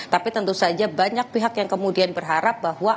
tapi tentu saja banyak pihak yang kemudian berharap bahwa